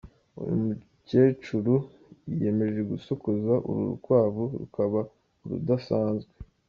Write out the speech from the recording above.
Uyu mukecuru yiyemeje gusokoza uru rukwavu rukaba urudasanzwe.